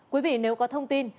quý vị nếu có thông tin